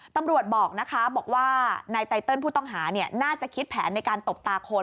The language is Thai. ตำรวจบอกว่าในไตเติลผู้ต้องหาน่าจะคิดแผนในการตบตาโคน